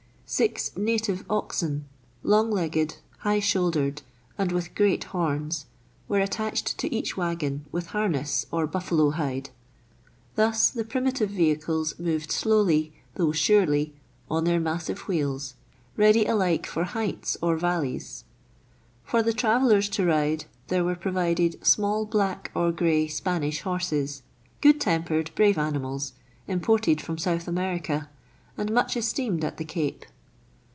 » Six native oxen, long legged, high shouldered, and with great horns, were attached to each waggon with harness of buffalo hide. Thus the primitive vehicles moved slowly though surely on their massive wheels, ready alike for heights or valleys. For the travellers to ride there were provided small black or grey Spanish horses, good tempered, brave animals, imported from South America, and much esteemed at the Cape.